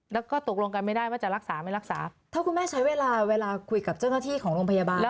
แล้วก็ตกลงกันไม่ได้ว่าจะรักษาไม่รักษาถ้าคุณแม่ใช้เวลาเวลาคุยกับเจ้าหน้าที่ของโรงพยาบาล